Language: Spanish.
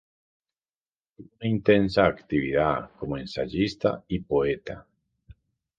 Tuvo una intensa actividad como ensayista y poeta.